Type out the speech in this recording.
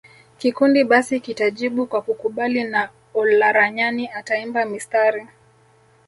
Kikundi basi kitajibu kwa kukubali na Olaranyani ataimba mistari